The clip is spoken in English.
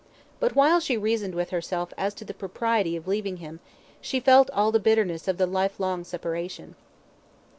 But while she reasoned with herself as to the propriety of leaving him, she felt all the bitterness of the lifelong separation.